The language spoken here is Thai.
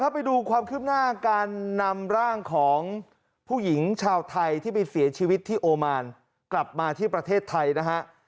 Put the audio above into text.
ไปดูความคืบหน้าการนำร่างของผู้หญิงชาวไทยที่ไปเสียชีวิตที่โอมานกลับมาที่ประเทศไทยนะฮะ